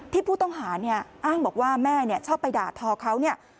ผู้ต้องหาเนี่ยอ้างบอกว่าแม่เนี่ยชอบไปด่าทอเขาเนี่ย